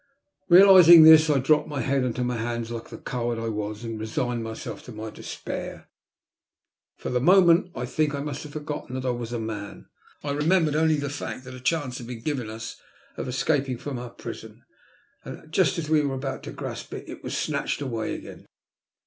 Bealizing this I dropped my head on to my hands like the coward I was and resigned myself to my despair For the moment I think I must have forgotten that I was a man, I remembered only the fact that a chance had been given us of escaping from our prison, and that just as we were about to grasp it, it was snatehed away again.